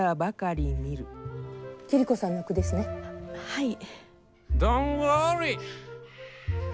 はい。